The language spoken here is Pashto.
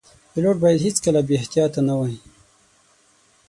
پیلوټ باید هیڅکله بې احتیاطه نه وي.